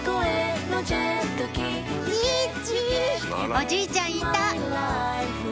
おじいちゃんいた！